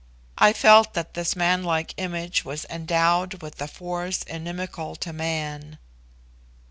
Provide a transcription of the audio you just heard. I felt that this manlike image was endowed with forces inimical to man.